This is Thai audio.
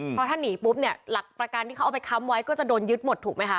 เพราะถ้าหนีปุ๊บเนี่ยหลักประกันที่เขาเอาไปค้ำไว้ก็จะโดนยึดหมดถูกไหมคะ